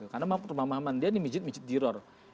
karena maaf dia di masjid masjid teror